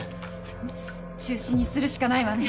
中止にするしかないわね。